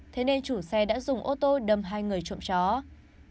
thế nên chủ xe đã dùng ô tô đâm hai người trộm chó